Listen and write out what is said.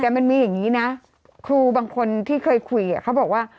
แต่มันมีอย่างนี้นะครูบางคนที่เคยคุยเขาบอกว่า